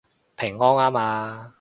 平安吖嘛